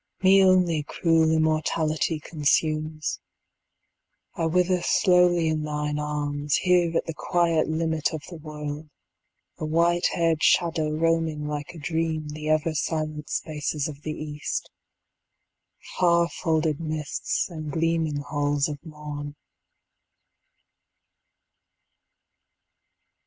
Me only cruel immortality Consumes: I wither slowly in thine arms, Here at the quiet limit of the world, A white hair'd shadow roaming like a dream The ever silent spaces of the East, Far folded mists, and gleaming halls of morn.